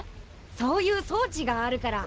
そういう装置があるから。